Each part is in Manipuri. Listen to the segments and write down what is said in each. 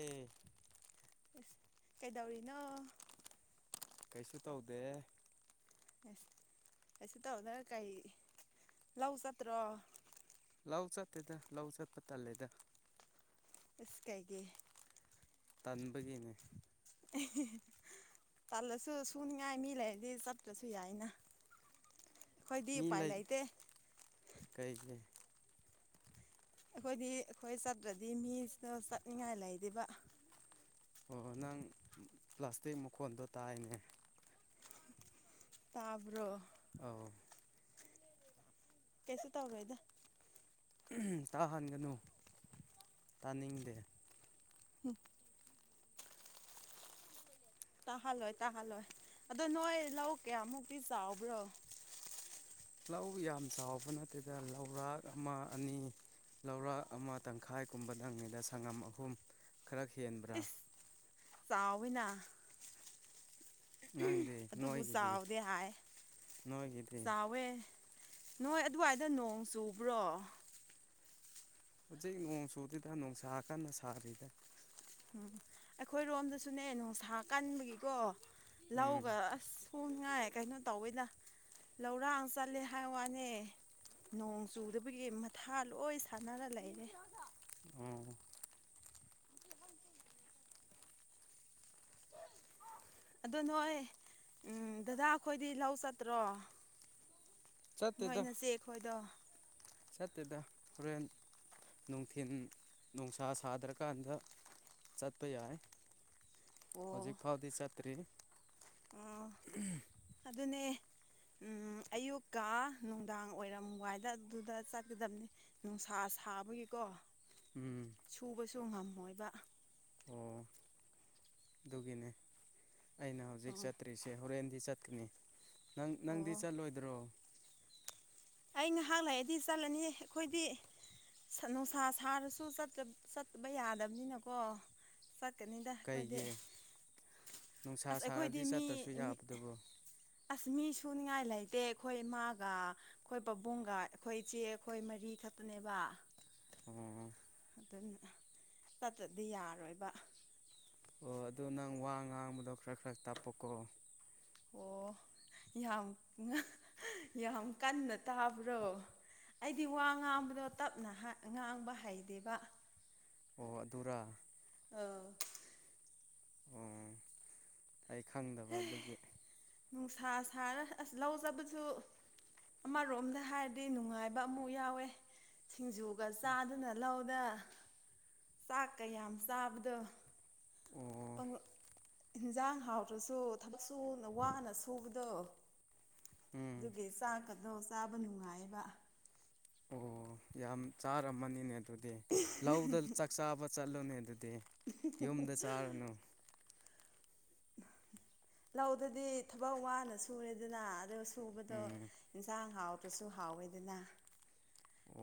ꯑꯦ ꯀꯩꯗꯧꯔꯤꯅꯣ ꯀꯩꯁꯨ ꯇꯧꯗꯦ ꯑꯦꯁ ꯑꯩꯁꯨ ꯇꯧꯗꯅ ꯀꯩ ꯂꯧ ꯆꯠꯇ꯭ꯔꯣ ꯂꯧ ꯆꯠꯇꯦꯗ ꯂꯧ ꯆꯠꯄ ꯇꯜꯂꯦꯗ ꯔꯁꯤꯀꯩꯦ ꯇꯝꯕꯒꯤꯅꯦ [inaudible] ꯄꯜꯂꯁꯨ ꯁꯨꯅꯤꯡꯉꯥꯏ ꯃꯤ ꯂꯩꯔꯗꯤ ꯆꯠꯇ꯭ꯔꯁꯨ ꯌꯥꯏꯅ ꯑꯩꯈꯣꯏꯗꯤ ꯃꯤ ꯎꯄꯥꯏ ꯂꯩ ꯂꯩꯇꯦ ꯀꯩꯒꯤ ꯑꯩꯈꯣꯏꯗꯤ ꯑꯩꯈꯣꯏ ꯆꯠꯇ꯭ꯔꯗꯤ ꯃꯤꯁꯤꯅ ꯆꯠꯅꯤꯡꯉꯥꯏ ꯂꯩꯇꯕ ꯑꯣ ꯅꯪ ꯄ꯭ꯂꯥꯁꯇꯤꯛ ꯃꯈꯣꯟꯗꯣ ꯇꯥꯏꯅꯦ ꯇꯥꯕ꯭ꯔꯣ ꯑꯧ ꯀꯩꯁ ꯇꯥꯎꯒ ꯏꯗ ꯇꯥꯍꯟꯒꯅꯨ ꯇꯥꯅꯤꯡꯗꯦ ꯎꯝ ꯇꯥꯍꯜꯂꯣꯏ ꯇꯥꯍꯜꯂꯣꯏ ꯑꯗꯣ ꯅꯣꯏ ꯂꯧ ꯀꯌꯥꯃꯨꯛꯇꯤ ꯆꯥꯎꯕ꯭ꯔꯣ ꯂꯧ ꯌꯥꯝ ꯆꯥꯎꯕ ꯅꯠꯇꯦꯗ ꯂꯧꯔꯥꯛ ꯑꯃ ꯑꯅꯤ ꯂꯧꯔꯥꯛ ꯑꯃ ꯇꯪꯈꯥꯏꯒꯨꯝꯕ ꯅꯪꯉꯤꯗ ꯁꯪꯉꯝ ꯑꯍꯨꯝ ꯈꯔ ꯍꯦꯟꯕ꯭ꯔꯥ ꯆꯥꯎꯅ ꯅꯪꯗꯤ ꯑꯗꯨꯕꯨ ꯅꯣꯏꯒꯤꯗꯤ ꯆꯥꯎꯗꯦ ꯍꯥꯏ ꯅꯣꯏꯒꯤꯗꯤ ꯆꯥꯎꯋꯦ ꯅꯣꯏ ꯑꯗꯨꯋꯥꯏꯗ ꯅꯣꯡ ꯆꯨꯕ꯭ꯔꯣ ꯍꯧꯖꯤꯛ ꯅꯣꯡ ꯆꯨꯗꯦꯗ ꯅꯣꯡꯁꯥꯀꯥꯟꯗ ꯁꯥꯔꯤꯗ ꯎ ꯑꯩꯈꯣꯏꯔꯣꯝꯗꯁꯨꯅꯦ ꯅꯨꯡꯁꯥ ꯀꯟꯕꯒꯤꯀꯣ ꯎꯝ ꯂꯧꯒ ꯑꯁ ꯉꯥꯏ ꯀꯩꯅꯣ ꯇꯧꯋꯤꯗ ꯂꯧꯔꯥꯡ ꯆꯠꯂꯦ ꯍꯥꯏ ꯋꯥꯅꯦ ꯅꯣꯡ ꯆꯨꯗꯕꯒꯤ ꯃꯊꯥ ꯂꯣꯏ ꯁꯥꯟꯅꯔ ꯂꯩꯔꯦ ꯑꯣ ꯑꯗꯣ ꯅꯣꯏ ꯗꯗꯥ ꯑꯩꯈꯣꯏꯗꯤ ꯂꯧ ꯆꯠꯇ꯭ꯔꯣ ꯅꯣꯏꯅꯁꯦ ꯑꯩꯈꯣꯏꯗꯣ ꯁꯇꯗ ꯍꯣꯔꯦꯟ ꯅꯨꯡꯊꯤꯤꯟ ꯅꯨꯡꯁꯥ ꯁꯥꯗ꯭ꯔꯀꯥꯟꯗ ꯆꯠꯄ ꯌꯥꯏ ꯍꯧꯖꯤꯛ ꯑꯣ ꯐꯥꯎꯗꯤ ꯆꯠꯇ꯭ꯔꯤ ꯑꯣ ꯑꯗꯨꯅꯦ [inaudible] ꯎꯝ ꯑꯌꯨꯛꯀ ꯅꯨꯡꯗꯥꯡ ꯑꯣꯏꯔꯝꯋꯥꯏꯗ ꯑꯗꯨꯗ ꯆꯠꯀꯗꯕꯅꯤ ꯅꯨꯡꯁꯥ ꯁꯥꯕꯒꯤꯀꯣ ꯎꯝ ꯇ ꯉꯝꯃꯣꯏꯕ ꯑꯣ ꯑꯗꯨꯒꯤꯅꯦ ꯑꯩꯅ ꯍꯧꯖꯤꯛ ꯑꯣ ꯆꯠꯇ꯭ꯔꯤꯁꯦ ꯍꯣꯔꯦꯟꯗꯤ ꯆꯠꯀꯅꯤ ꯅꯪ ꯅꯪꯗꯤ ꯑꯣ ꯆꯠꯂꯣꯏꯗ꯭ꯔꯣ ꯑꯩ ꯉꯥꯏꯍꯥꯛ ꯂꯩꯑꯗꯤ ꯆꯠꯂꯅꯤ ꯑꯩꯈꯣꯏꯗꯤ ꯅꯨꯡꯁꯥ ꯁꯥꯔꯁꯨ ꯆꯠꯕ ꯌꯥꯗꯕꯅꯤꯅꯀꯣ ꯀꯅꯤꯗ ꯑꯩꯈꯣꯏꯗꯤ ꯀꯩꯒꯤ ꯅꯨꯡꯁꯥ ꯑꯁ ꯑꯩꯈꯣꯏꯗꯤ ꯁꯥꯔꯗꯤ ꯃꯤ ꯆꯠꯇ꯭ꯔꯁꯨ ꯌꯥꯕꯗꯨꯕꯨ ꯑꯁ ꯃꯤ ꯁꯨ ꯉꯥꯏ ꯂꯩꯇꯦ ꯑꯩꯈꯣꯏ ꯏꯃꯥꯒ ꯑꯩꯈꯣꯏ ꯄꯥꯕꯨꯡꯒ ꯑꯩꯈꯣꯏ ꯏꯆꯦ ꯑꯩꯈꯣꯏ ꯃꯔꯤ ꯈꯛꯇꯅꯦꯕ ꯑꯣ ꯑꯗꯨꯅ ꯆꯠꯇꯗꯤ ꯌꯥꯔꯣꯏꯕ ꯑꯣ ꯑꯗꯨ ꯅꯪ ꯋꯥ ꯉꯥꯡꯕꯗꯣ ꯈꯔ ꯈꯔ ꯇꯥꯛꯄꯀꯣ ꯑꯣ ꯌꯥꯝ ꯌꯥꯝ ꯀꯟꯅ ꯇꯥꯕ꯭ꯔꯣ ꯑꯩꯗꯤ ꯋꯥ ꯉꯥꯡꯕꯗꯣ ꯇꯞꯅ ꯉꯥꯡꯕ ꯍꯩꯗꯦꯕ ꯑꯣ ꯑꯗꯨꯔꯥ ꯑ ꯑꯣ ꯑꯩ ꯈꯪꯗꯕ ꯑꯗꯨꯒꯤ ꯅꯨꯡꯁꯥ ꯁꯥꯔ ꯑꯁ ꯂꯧꯖꯕꯁꯨ ꯑꯃꯔꯣꯝꯗ ꯍꯥꯏꯔꯗꯤ ꯅꯨꯡꯉꯥꯏꯕ ꯑꯃꯨꯛ ꯌꯥꯎꯋꯦ ꯁꯤꯡꯖꯨꯒ ꯆꯥꯗꯨꯅ ꯂꯧꯗ ꯆꯥꯛ ꯀꯌꯥꯝ ꯆꯥꯕꯗꯣ ꯑꯣ ꯄꯪꯛ ꯏꯟꯁꯥꯡ ꯍꯥꯎꯗ꯭ꯔꯁꯨ ꯊꯕꯛ ꯁꯨꯅ ꯋꯥꯅ ꯁꯨꯕꯗꯣ ꯎꯝ ꯑꯗꯨꯒꯤ ꯆꯥꯛꯀꯗꯣ ꯆꯥꯕ ꯅꯨꯡꯉꯥꯏꯕ ꯑꯣ ꯌꯥꯝ ꯆꯥꯔꯝꯃꯅꯤꯅꯦ ꯑꯗꯨꯗꯤ ꯂꯧꯗ ꯆꯥꯛ ꯆꯥꯕ ꯆꯠꯂꯨꯅꯦ ꯑꯗꯨꯗꯤ ꯌꯨꯝꯗ ꯆꯥꯔꯅꯨ ꯂꯧꯗꯗꯤ ꯊꯕꯛ ꯋꯥꯅ ꯁꯨꯔꯦꯗꯅ ꯑꯗꯨꯒ ꯁꯨꯕꯗꯣ ꯎꯝ ꯌꯦꯟꯁꯥꯡ ꯍꯥꯎꯇ꯭ꯔꯁꯨ ꯍꯥꯎꯋꯦ ꯑꯗꯨꯅ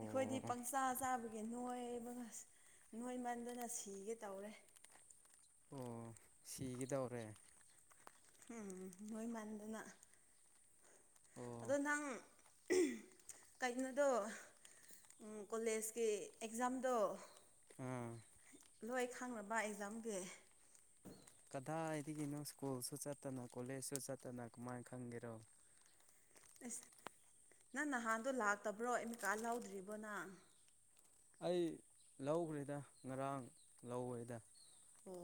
ꯑꯩꯈꯣꯏꯗꯤ ꯄꯪꯆꯥ ꯆꯥꯕꯒꯤ ꯅꯣꯏ ꯅꯣꯏ ꯃꯟꯗꯅ ꯁꯤꯒꯦ ꯇꯧꯔꯦ ꯑꯣ ꯁꯤꯒꯗꯧꯔꯦ ꯎꯝ ꯅꯣꯏ ꯃꯥꯟꯗꯅ ꯑꯣ ꯑꯗꯣ ꯅꯍꯪ ꯀꯒꯤꯅꯣꯗꯣ ꯀꯣꯂꯦꯖꯀꯤ ꯑꯦꯛꯖꯥꯝꯗꯣ ꯑꯝ ꯂꯣꯏ ꯈꯪꯅꯕ ꯑꯦꯛꯖꯥꯝꯒꯤ ꯗꯥꯥꯏꯗꯒꯤꯅꯣ ꯁ꯭ꯀꯨꯜꯁꯨ ꯆꯠꯇꯅ ꯀꯣꯂꯦꯖꯁꯨ ꯆꯠꯇꯅ ꯀꯃꯥꯏꯅ ꯈꯪꯒꯦꯔꯣ ꯑꯁ ꯅꯪ ꯅꯍꯥꯟꯗꯣ ꯂꯥꯛꯇꯕ꯭ꯔꯣ ꯏꯃꯤꯀꯥ ꯂꯧꯗ꯭ꯔꯤꯕꯣ ꯅꯪ ꯑꯩ ꯂꯧꯈ꯭ꯔꯦꯗ ꯉꯔꯥꯡ ꯂꯧꯈꯦꯗ ꯀ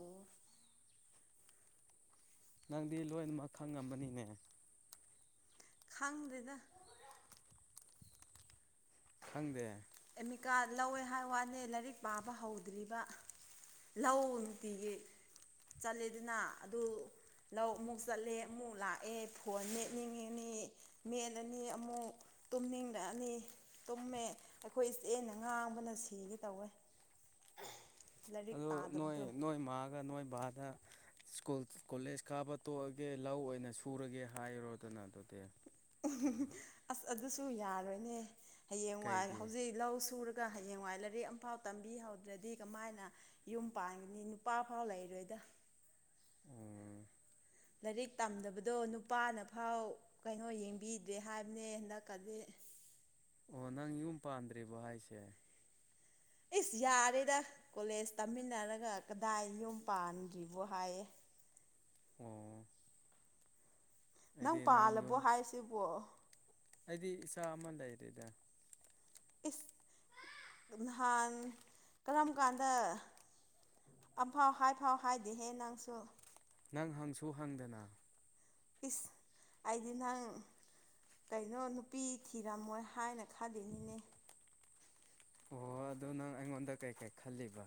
ꯅꯪꯗꯤ ꯂꯣꯏꯅꯃꯛ ꯈꯪꯉꯝꯕꯅꯤꯅꯦ ꯈꯪꯗꯗ ꯍꯪꯗꯦ ꯑꯦꯃꯤꯀꯥ ꯂꯧꯋꯦ ꯍꯥꯏ ꯋꯥꯅꯦ ꯂꯥꯏꯔꯤꯛ ꯄꯥꯕ ꯍꯧꯗ꯭ꯔꯤꯕ ꯂꯧ ꯅꯨꯡꯇꯤꯒꯤ ꯆꯠꯂꯦꯗꯨꯅ ꯑꯗꯨ ꯂꯧ ꯑꯃꯨꯛ ꯆꯠꯂꯦ ꯑꯃꯨꯛ ꯂꯥꯛꯑꯦ ꯐꯣꯟ ꯅꯦꯠꯅꯤꯡꯉꯤꯅꯤ ꯃꯦꯠꯂꯅꯤ ꯑꯃꯨꯛ ꯇꯨꯝꯅꯤꯡꯂꯛꯑꯅꯤ ꯇꯨꯝꯃꯦ ꯑꯩꯈꯣꯏ ꯏꯆꯦꯅ ꯉꯥꯡꯕꯅ ꯁꯤꯒꯦ ꯇꯧꯋꯦ ꯂꯥꯏꯔꯤꯛ ꯑꯣ ꯅꯣꯏ ꯄꯥꯗꯕꯗꯣ ꯅꯣꯏ ꯃꯥꯒ ꯅꯣꯏ ꯕꯥꯗ ꯁ꯭ꯀꯨꯜ ꯀꯣꯂꯦꯖ ꯀꯥꯕ ꯇꯣꯛꯑꯒꯦ ꯂꯧ ꯑꯣꯏꯅ ꯁꯨꯔꯒꯦ ꯍꯥꯏꯔꯣꯗꯅ ꯑꯗꯨꯗꯤ ꯑꯁ ꯑꯗꯨꯁꯨ ꯌꯥꯔꯣꯏꯅꯦ ꯍꯌꯦꯡ ꯋꯥꯏ ꯀꯩꯒꯤ ꯍꯧꯖꯤꯛ ꯂꯧ ꯁꯨꯔ ꯑꯗꯨꯒ ꯍꯌꯦꯡꯋꯥꯏ ꯂꯥꯏꯔꯤꯛ ꯑꯃꯝꯐꯥꯎ ꯇꯝꯕꯤꯍꯧꯗ꯭ꯔꯗꯤ ꯀꯃꯥꯏꯅ ꯌꯨꯝ ꯄꯥꯟꯒꯅꯤ ꯅꯨꯄꯥꯐꯥꯎ ꯂꯩꯔꯣꯏꯗ [unintelligible] ꯑꯣ ꯂꯥꯏꯔꯤꯛ ꯇꯝꯗꯕꯗꯣ ꯅꯨꯄꯥꯅꯐꯥꯎ ꯀꯩꯅꯣ ꯌꯦꯡꯕꯤꯗ꯭ꯔꯦ ꯍꯥꯏꯕꯅꯦ ꯍꯟꯗꯛꯀꯗꯤ ꯑꯣ ꯅꯪ ꯌꯨꯝ ꯄꯥꯟꯗ꯭ꯔꯤꯕꯔꯤꯕꯣ ꯍꯥꯏꯁꯦ ꯏꯁꯁ ꯌꯥꯔꯦꯗ ꯀꯣꯂꯦꯖ ꯇꯝꯃꯤꯟꯅꯔꯒ ꯀꯗꯥꯏ ꯌꯨꯝ ꯄꯥꯟ꯭ꯔꯤꯕꯣ ꯍꯥꯏꯌꯦ ꯑꯣ ꯅꯪ ꯑꯩꯗꯤ ꯄꯥꯜꯂꯕꯣ ꯌꯨꯝ ꯍꯥꯏꯁꯤꯕꯣ ꯑꯩꯗꯤ ꯏꯆꯥ ꯑꯃ ꯂꯩꯔꯦꯗ ꯏꯁ ꯅꯍꯥꯟ ꯀꯔꯝ ꯀꯥꯟꯗ ꯑꯝꯐꯥꯎ ꯍꯥꯏꯐꯥꯎ ꯍꯥꯏꯗꯤꯦꯍꯦ ꯅꯪꯁꯨ ꯅꯪ ꯍꯪꯁꯨ ꯍꯪꯗꯅ ꯏꯁ ꯑꯩꯗꯤ ꯅꯍꯪ ꯀꯩꯅꯣ ꯅꯨꯄꯤ ꯊꯤꯔꯝꯃꯣꯏ ꯍꯥꯏꯅ ꯈꯥꯗꯣꯏꯅꯤꯅꯦ ꯑꯣ ꯑꯗꯨꯗ ꯅꯪ ꯑꯩꯉꯣꯟꯗ ꯀꯩꯀꯩ ꯈꯜꯂꯤꯕ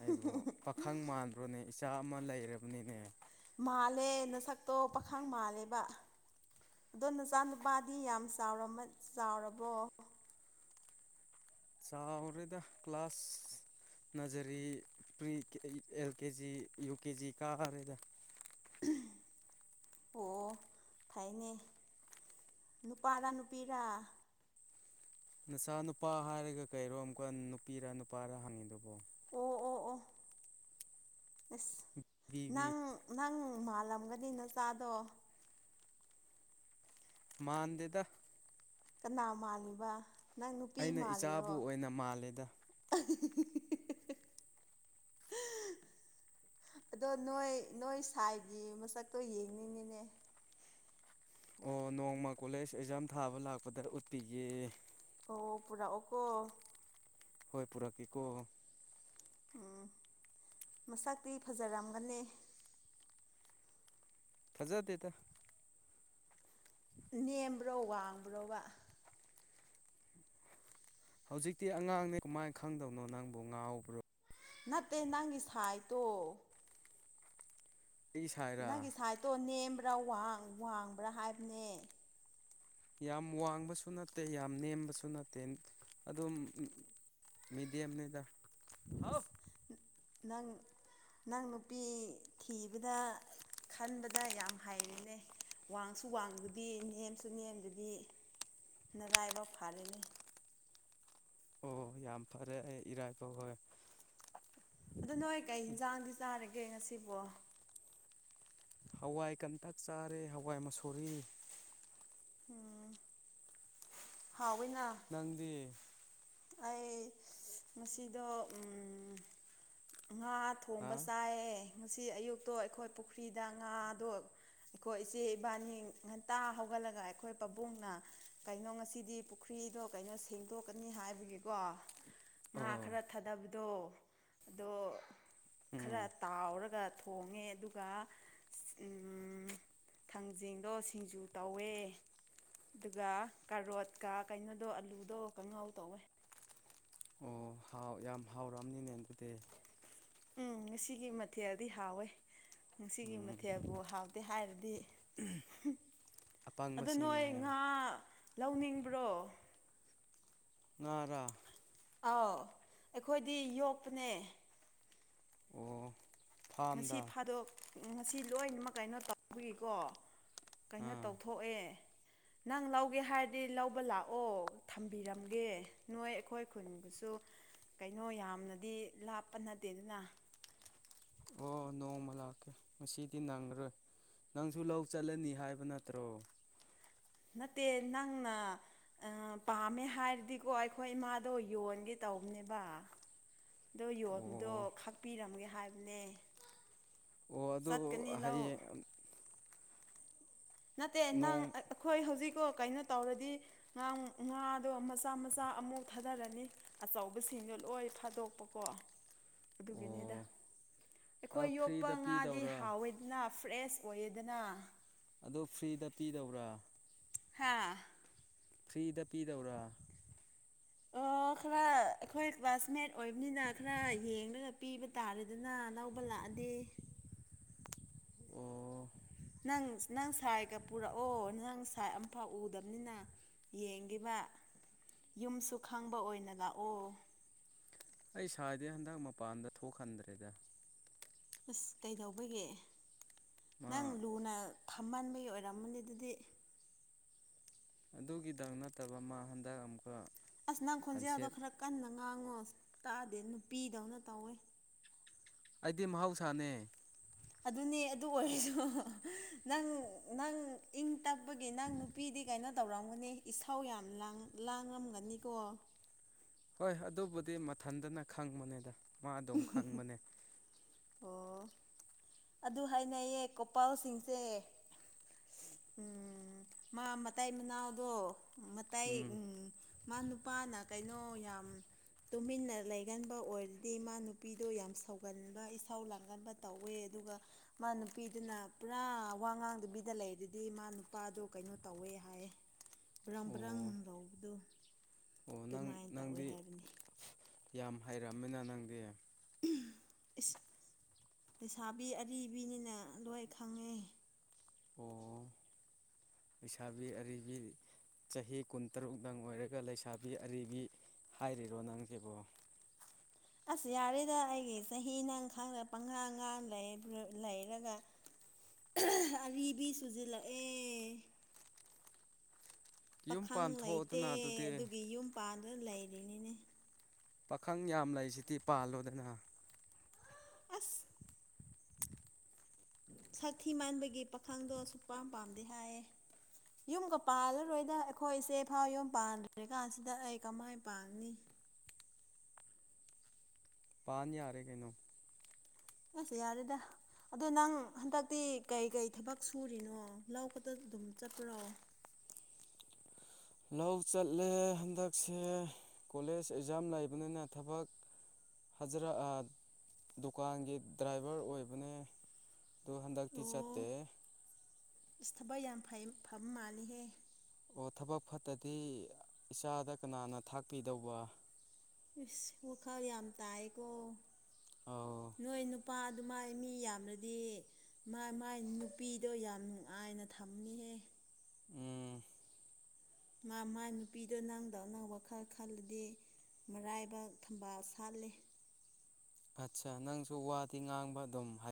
ꯑꯩꯕꯨ ꯄꯥꯈꯪ ꯃꯥꯟꯗ꯭ꯔꯣꯅꯦ ꯏꯆꯥ ꯑꯃ ꯂꯩꯔꯕꯅꯤꯅꯦ ꯃꯥꯜꯂꯦ ꯅꯁꯛꯇꯣ ꯄꯥꯈꯪ ꯃꯥꯜꯂꯦꯕ ꯑꯗꯣ ꯅꯆꯥꯅꯨꯄꯥꯗꯤ ꯌꯥꯝ ꯆꯥꯎꯔꯕꯣ ꯆꯥꯎꯔꯗ ꯀ꯭ꯂ ꯀ꯭ꯂꯥꯁ ꯅꯖꯔꯤ ꯄꯔꯤ ꯑꯦꯜ ꯀꯦꯖꯤ ꯌꯨ ꯀꯦꯖꯤ ꯀꯥꯔꯦꯗ ꯑꯣ ꯐꯥꯏꯅꯦ ꯅꯨꯄꯥꯗ ꯅꯨꯄꯤꯔ ꯅꯆꯥ ꯅꯨꯄꯥ ꯍꯥꯏꯔꯒ ꯀꯩꯔꯣ ꯑꯃꯨꯛꯀ ꯅꯨꯄꯤꯔ ꯅꯨꯄꯥꯔ ꯍꯪꯉꯤꯗꯨꯕꯣ ꯑꯣ ꯑꯣ ꯑꯣꯁ ꯕꯤꯕꯤ ꯅꯪ ꯅꯪ ꯃꯥꯜꯂꯝꯒꯅꯤ ꯅ ꯆꯥꯗꯣ ꯃꯥꯅꯗꯦꯗ ꯀꯅꯥ ꯃꯥꯜꯂꯤꯕ ꯅꯪ ꯅꯨꯄꯤ ꯑꯩꯅ ꯃꯥꯜꯂꯤꯔꯣ ꯏꯆꯥꯕꯨ ꯑꯣꯏꯅ ꯃꯥꯜꯂꯦꯗ [unintelligible] ꯑꯗꯣ ꯅꯣꯏ ꯅꯣꯏ ꯁꯥꯏꯒꯤ ꯃꯁꯛꯇꯣ ꯌꯦꯡꯅꯤꯡꯉꯤꯅꯦ ꯑꯣ ꯅꯣꯡꯃ ꯀꯣꯂꯦꯖ ꯑꯦꯛꯖꯥꯝ ꯊꯥꯕ ꯂꯥꯛꯄꯗ ꯎꯠꯄꯤꯒꯦ ꯑꯣ ꯄꯨꯔꯥ ꯑꯣꯀꯣ ꯍꯣꯏ ꯄꯔꯛꯀꯤꯀ ꯎꯝ ꯃꯁꯛꯇꯤ ꯐꯖꯔꯝꯒꯅꯤ ꯐꯖꯥꯗꯦꯇ ꯅꯦꯝꯕ꯭ꯔꯣ ꯋꯥꯡꯕ꯭ꯔꯣꯕ ꯍꯧꯖꯤꯛꯇꯤ ꯑꯉꯥꯡꯅꯦ ꯀꯃꯥꯏꯅ ꯈꯪꯗꯕꯅꯣ ꯅꯪꯕꯨ ꯉꯥꯎꯕ꯭ꯔꯣ ꯅꯠꯇꯦ ꯅꯪꯒꯤ ꯁꯥꯏꯠꯇꯣ ꯑꯩ ꯁꯥꯏꯔꯥ ꯅꯪꯒꯤ ꯁꯥꯏꯠꯇꯣ ꯅꯦꯝꯕ꯭ꯔꯥ ꯋꯥꯡꯕ꯭ꯔꯥ ꯍꯥꯏꯕꯅꯦ ꯌꯥꯝ ꯋꯥꯡꯕꯁꯨ ꯅꯠꯇꯦ ꯌꯥꯝ ꯅꯦꯝꯕꯁꯨ ꯅꯠꯇꯦ ꯑꯗꯨꯝ ꯃꯤꯗꯤꯦꯝ ꯅꯗ ꯅꯪ ꯅꯪ ꯅꯨꯄꯤ ꯊꯤꯕꯗ ꯈꯟꯕꯗ ꯌꯥꯝ ꯍꯩꯔꯤꯅꯦ ꯋꯥꯡꯁꯨ ꯋꯥꯡꯗꯨꯗꯤ ꯅꯦꯝꯁꯨ ꯅꯦꯝꯗꯨꯗꯤ ꯅꯔꯥꯏꯕ ꯐꯥꯔꯤꯅꯤ ꯑꯣ ꯌꯥꯝ ꯐꯔꯦ ꯑꯩ ꯏꯔꯥꯏꯕꯥꯎ ꯍꯣꯏ ꯑꯗꯨ ꯅꯣꯏ ꯀꯩ ꯌꯦꯟꯁꯥꯡꯗꯤ ꯆꯥꯔꯒꯦ ꯉꯁꯤꯕꯣ ꯍꯋꯥꯏ ꯀꯟꯇꯛ ꯆꯥꯔꯦ ꯍꯋꯥꯏ ꯃꯁꯣꯔꯤ ꯍꯥꯎꯋꯤꯅ ꯅ ꯑꯩ ꯃꯁꯤꯗ ꯉꯥ ꯍꯥ ꯊꯣꯡꯕ ꯆꯥꯏꯌꯦ ꯉꯁꯤ ꯑꯌꯨꯛꯇꯣ ꯑꯩꯈꯣꯏ ꯄꯨꯈ꯭ꯔꯤꯗ ꯉꯥꯗꯣ ꯑꯩꯈꯣꯏ ꯏꯆꯦ ꯏꯕꯥꯅꯤ ꯉꯟꯇꯥ ꯍꯧꯒ ꯈꯜꯂꯒ ꯑꯩꯈꯣꯏ ꯄꯥꯕꯨꯡꯅ ꯀꯩꯅꯣ ꯉꯁꯤꯗꯤ ꯄꯨꯈ꯭ꯔꯤꯗꯣ ꯀꯩꯅꯣ ꯁꯦꯡꯗꯣꯛꯀꯅꯤ ꯍꯥꯏꯕ ꯑꯗꯨꯒꯤꯀꯣ ꯉꯥ ꯑꯣ ꯈꯔ ꯊꯥꯗꯕꯗꯣ ꯑꯗꯣ ꯎꯝ ꯈꯔ ꯇꯥꯎꯔꯒ ꯊꯣꯡꯉꯦ ꯑꯗꯨꯒ ꯊꯥꯡꯖꯤꯡꯗꯣ ꯁꯤꯡꯖꯨ ꯇꯧꯋꯦ ꯑꯗꯨꯒ ꯀꯥꯔꯣꯠꯀ ꯀꯩꯅꯣꯗꯣ ꯑꯂꯨꯗꯣ ꯀꯪꯉꯥꯎ ꯇꯧꯋꯦ ꯑꯣ ꯍꯥꯎ ꯌꯥꯝ ꯍꯥꯎꯔꯛꯑꯅꯤꯅꯦ ꯑꯗꯨꯗꯤ ꯎꯝ ꯉꯁꯤꯒꯤ ꯃꯊꯦꯜꯗꯤ ꯍꯥꯎꯋꯦ ꯉꯁꯤꯒꯤ ꯎꯝ ꯃꯊꯦꯜꯕꯨ ꯍꯥꯎꯇꯦ ꯍꯥꯏꯔꯗꯤ ꯑꯗꯨ ꯑꯄꯪꯕꯁꯤꯡꯅꯤ ꯅꯣꯏ ꯍꯥꯏꯌꯣ ꯉꯥ ꯂꯧꯅꯤꯡꯕ꯭ꯔꯣ ꯉꯔ ꯑꯥꯎ ꯑꯩꯈꯣꯏꯗꯤ ꯌꯣꯛꯄꯅꯦ ꯑꯣ ꯉꯁꯤ ꯐꯥꯝꯗ ꯐꯥꯗꯣꯛ ꯉꯁꯤ ꯂꯣꯏꯅꯃꯛ ꯀꯩꯅꯣ ꯇꯧꯕꯒꯤꯀꯣ ꯀꯩꯅꯣ ꯑꯥ ꯇꯧꯊꯣꯛꯑꯦ ꯅꯪ ꯂꯧꯒꯦ ꯍꯥꯏꯔꯗꯤ ꯂꯧꯕ ꯂꯥꯛꯑꯣ ꯊꯝꯕꯤꯔꯝꯒꯦ ꯅꯣꯏ ꯑꯩꯈꯣꯏ ꯈꯨꯟꯕꯨꯁꯨ ꯁꯨ ꯀꯩꯅꯣ ꯌꯥꯝꯅꯗꯤ ꯂꯥꯞꯄ ꯅꯠꯇꯦ ꯑꯗꯨꯅ ꯑꯣ ꯅꯣꯡꯃ ꯂꯥꯛꯀꯦ ꯉꯁꯤꯗꯤ ꯅꯪꯉꯔꯣꯏ ꯅꯪꯁꯨ ꯂꯧ ꯆꯠꯂꯅꯤ ꯍꯥꯏꯕ ꯅꯠꯇ꯭ꯔꯣ ꯅꯠꯇꯦ ꯅꯪꯅ ꯄꯥꯝꯃꯦ ꯍꯥꯏꯔꯗꯤꯀꯣ ꯑꯩꯈꯣꯏ ꯏꯃꯥꯗꯣ ꯌꯣꯟꯒꯦ ꯇ ꯇꯧꯕꯅꯦꯕ ꯑꯗꯣ ꯌꯣꯟꯕꯗꯣ ꯑꯣ ꯈꯥꯛꯄꯤꯔꯝꯒꯦ ꯍꯥꯏꯕꯅꯦ ꯑꯣ ꯑꯗꯨ ꯆꯠꯀꯅꯤ ꯂꯧ ꯍꯌꯦꯡ ꯅꯠꯇꯦ ꯅꯪ ꯅꯣꯡ ꯑꯩꯈꯣꯏ ꯍꯧꯖꯤꯛꯀ ꯀꯩꯅꯣ ꯇꯧꯔꯗꯤ ꯉ ꯉꯥꯗꯣ ꯃꯆꯥ ꯃꯆꯥ ꯑꯃꯨꯛ ꯊꯥꯗꯔꯅꯤ ꯑꯆꯧꯕꯁꯤꯡꯗꯣ ꯠꯂꯣꯏ ꯐꯥꯗꯣꯛꯄꯀꯣ ꯑꯗꯨꯒꯤꯅꯤꯗ ꯑꯣ ꯑꯩꯈꯣꯏ ꯌꯣꯛꯄ ꯐ꯭ꯔꯤꯗ ꯉꯥꯗꯤ ꯄꯤꯗꯧꯔꯥ ꯍꯥꯎꯋꯦꯗꯅ ꯐ꯭ꯔꯦꯁ ꯑꯣꯏꯌꯦꯗꯅ ꯑꯗꯨ ꯐ꯭ꯔꯤꯗ ꯄꯤꯗꯧꯕ꯭ꯔꯥ ꯍꯥꯥ ꯐ꯭ꯔꯤꯗ ꯄꯤꯗꯧꯔꯥ ꯑꯣꯈꯔ ꯑꯩꯈꯣꯏ ꯀ꯭ꯂꯥꯁꯃꯦꯠ ꯑꯣꯏꯕꯅꯤꯅ ꯈꯔ ꯌꯦꯡꯗꯨꯅ ꯄꯤꯕ ꯇꯥꯔꯦꯗꯅ ꯂꯧꯕ ꯂꯥꯛꯑꯗꯤ ꯑꯣ ꯅꯪ ꯅꯪ ꯁꯥꯏꯒ ꯄꯨꯔꯛꯑꯣ ꯅꯪ ꯁꯥꯏ ꯑꯝꯐꯥꯎ ꯎꯗꯕꯅꯤꯅ ꯌꯦꯡꯒꯤꯕ ꯌꯨꯝꯁꯨ ꯈꯪꯕ ꯑꯣꯏꯅ ꯂꯥꯛꯑꯣ ꯑꯩ ꯏꯁꯗꯤ ꯍꯟꯗꯛ ꯃꯄꯥꯟꯗ ꯊꯣꯛꯍꯟꯗ꯭ꯔꯦꯗ ꯑꯁ ꯀꯩꯗꯧꯕꯒꯤꯦ ꯃꯥ ꯅꯪ ꯂꯨꯅ ꯈꯝꯍꯟꯥꯟꯕꯒꯤ ꯑꯣꯏꯔꯝꯝꯕꯅꯤ ꯑꯗꯨꯗꯤ ꯑꯗꯨꯒꯤꯗꯪ ꯅꯠꯇꯕ ꯃꯥ ꯍꯟꯗꯛ ꯑꯃꯨꯛ ꯑꯁ ꯅꯪ ꯈꯣꯟꯖꯦꯜꯗꯣ ꯈꯔ ꯀꯟꯅ ꯉꯥꯡꯉꯣ ꯇꯥꯗꯦ ꯅꯨꯄꯤꯗꯧꯅ ꯇꯧꯋꯦ ꯑꯩꯗꯤ ꯃꯍꯧꯁꯥꯅꯦ ꯑꯗꯨꯅꯦ ꯑꯗꯨ ꯑꯣꯏꯔꯁꯨ ꯅꯪ ꯅꯪꯪ ꯇꯞꯄꯒꯤꯦ ꯅꯪ ꯅꯨꯄꯤꯗꯤ ꯀꯩꯅꯣ ꯇꯧꯔꯝꯒꯅꯤ ꯏꯁꯥꯎ ꯌꯥꯝ ꯂꯥꯡꯉꯝꯒꯅꯤꯀꯣ ꯍꯣꯏ ꯑꯗꯨꯕꯨꯗꯤ ꯃꯊꯟꯇꯅ ꯈꯪꯕꯅꯦꯗ ꯃꯥ ꯑꯗꯨꯝ ꯈꯪꯕꯅꯦ ꯑꯣ ꯑꯗꯨ ꯍꯥꯏꯅꯩꯌꯦ ꯣꯄꯥꯜꯁꯤꯡꯁꯦ ꯎꯝ ꯃꯥ ꯃꯇꯥꯏ ꯃꯅꯥꯎꯗꯣ ꯃꯇꯥꯏ ꯎꯝ ꯃꯥ ꯅꯨꯄꯥꯅ ꯀꯩꯅꯣ ꯌꯥꯝ ꯇꯨꯃꯤꯟꯅ ꯂꯩꯒꯟꯕ ꯑꯣꯏꯔꯗꯤ ꯃꯥ ꯅꯨꯄꯤꯗꯣ ꯌꯥꯝ ꯁꯧꯒꯟꯕ ꯊꯧ ꯂꯥꯡꯒꯟꯕ ꯇꯧꯋꯦ ꯑꯗꯨꯒ ꯃꯥ ꯅꯨꯄꯤꯗꯨꯅ ꯄꯨꯔꯥ ꯋꯥ ꯉꯥꯡꯗꯨꯕꯤꯗ ꯂꯩ ꯑꯗꯨꯗꯤ ꯃꯥ ꯏ ꯅꯨꯄꯥꯗꯣ ꯀꯩꯅꯣ ꯇꯧꯋꯦ ꯍꯥꯏ ꯕ꯭ꯔꯪ ꯕ꯭ꯔꯪ ꯑꯣ ꯂꯧꯕꯗꯨ ꯑꯣ ꯅꯪ ꯅꯪꯗꯤ ꯌꯥꯝ ꯍꯩꯔꯛꯑꯃꯤꯅ ꯅꯪꯗꯤ ꯂꯩꯁꯥꯕꯤ ꯑꯔꯤꯕꯤꯅꯤꯅ ꯂꯣꯏ ꯈꯪꯉꯦ ꯑꯣ ꯂꯩꯁꯥꯕꯤ ꯑꯔꯤꯕꯤ ꯆꯍꯤ ꯀꯨꯟꯇꯔꯨꯛ ꯅꯪ ꯑꯣꯏꯔꯒ ꯂꯩꯁꯥꯕꯤ ꯑꯔꯤꯕꯤ ꯍꯥꯏꯔꯤꯔꯣ ꯅꯪ ꯀꯦꯕꯣ ꯑꯁ ꯌꯥꯔꯤꯗ ꯑꯩꯒꯤ ꯆꯍꯤ ꯅꯪ ꯈꯥꯡꯗ ꯄꯪꯈꯥ ꯉꯥ ꯂꯩꯔꯒ ꯑꯔꯤꯕꯔꯤꯕꯤ ꯁꯨꯖꯤꯜꯂꯛꯑꯦ ꯌꯨꯝ ꯄꯥꯈꯪ ꯂꯩꯇꯦ ꯄꯥꯟꯊꯣꯛꯑꯗꯅ ꯑꯗꯨꯗꯤ ꯑꯗꯨꯒꯤ ꯌꯨꯝ ꯄꯥꯟꯗꯨꯅ ꯂꯩꯔꯤꯅꯤꯅꯦ ꯄꯥꯈꯪ ꯌꯥꯝ ꯂꯩꯁꯤꯗꯤ ꯄꯥꯜꯂꯣꯗꯅ ꯑꯁ ꯁꯥꯊꯤ ꯃꯥꯟꯕꯒꯤ ꯄꯥꯈꯪꯗꯣ ꯁꯨꯛꯄꯥꯝ ꯄꯥꯝꯗꯤꯦ ꯍꯥꯏꯌꯦ ꯌꯨꯝꯒ ꯄꯥꯜꯂꯔꯣꯏꯗ ꯑꯩꯈꯣꯏꯁꯦ ꯐꯥꯎ ꯌꯨꯝ ꯄꯥꯟꯗ꯭ꯔꯦ ꯀꯥꯟꯁꯤꯗ ꯑꯩ ꯀꯃꯥꯏꯅ ꯄꯥꯅꯤ [unintelligible] ꯄꯥꯅ ꯌꯥꯔꯦ ꯀꯩꯅꯣ ꯑꯁ ꯌꯥꯔꯦꯗ ꯑꯗꯣ ꯅꯪ ꯍꯟꯗꯛꯇꯤ ꯀꯩ ꯀꯩ ꯊꯕꯛ ꯁꯨꯔꯤꯅꯣ ꯂꯧ ꯑꯗꯨꯝ ꯆꯠꯄ꯭ꯔꯣ [unintelligible] ꯂꯧ ꯆꯠꯂꯦ ꯍꯟꯗꯛꯁꯦ ꯀꯣꯂꯦꯖ ꯑꯦꯛꯖꯥꯝ ꯂꯩꯕꯅꯤꯅ ꯊꯕꯛ ꯍꯖꯔ ꯗꯨꯀꯥꯟꯒꯤ ꯗ꯭ꯔꯥꯏꯚꯔ ꯑꯣꯏꯕꯅꯦ ꯑꯗꯨꯣ ꯍꯥꯟꯗ ꯇꯤ ꯆꯇ ꯏꯁ ꯊꯕꯛ ꯌꯥꯝꯩ ꯐꯝ ꯃꯥꯅꯤꯍꯦ ꯑꯣ ꯊꯕꯛ ꯐꯠꯇꯗꯤ ꯏꯆꯥꯗ ꯀꯅꯥꯅ ꯊꯥꯛꯀꯤꯗꯧꯕ ꯏꯁꯁ ꯋꯥꯈꯜ ꯌꯥꯝ ꯇꯥꯏꯀꯣ ꯑꯧ ꯅꯣꯏ ꯅꯨꯄꯥꯗ ꯑꯗꯨꯃꯥꯏ ꯃꯤ ꯌꯥꯝꯅꯗꯤ ꯃꯥꯏ ꯅꯨꯄꯤꯗꯣ ꯌꯥꯝ ꯅꯨꯡꯉꯥꯏꯅ ꯊꯝꯅꯤꯍꯦ ꯎꯝ ꯃꯥ ꯃꯥꯥꯏ ꯅꯨꯄꯤꯗꯣ ꯅꯪꯗꯧ ꯑꯅꯪ ꯋꯥ ꯈꯔ ꯈꯜꯂꯗꯤ ꯃꯔꯥꯏꯕꯛ ꯊꯝꯕꯥꯜ ꯁꯥꯠꯂ ꯑꯠꯆꯥ ꯅꯪꯁꯨ ꯋꯥꯗꯤ ꯉꯥꯡꯕ ꯑꯗꯨꯝ ꯍꯥꯏ